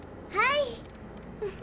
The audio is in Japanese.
はい。